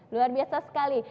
luar biasa sekali